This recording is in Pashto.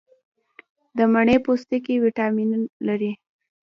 د مڼې پوستکي ویټامین لري.